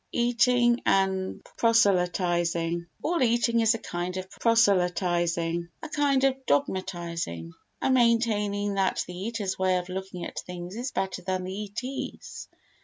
Eating and Proselytising All eating is a kind of proselytising—a kind of dogmatising—a maintaining that the eater's way of looking at things is better than the eatee's.